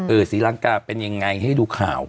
เออสีร้างกล้าเป็นยังไงให้ดูข่าวค่ะ